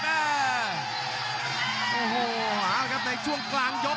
อย่างช่วงกลางยก